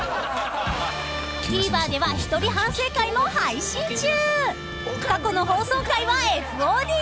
［ＴＶｅｒでは一人反省会も配信中］